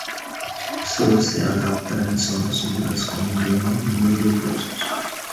Solo se adapta a zonas húmedas con inviernos no muy rigurosos.